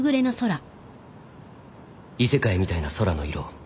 「異世界みたいな空の色」